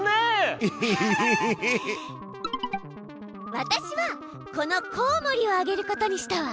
わたしはこのコウモリをあげることにしたわ。